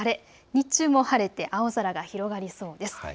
日中も晴れて青空が広がりそうです。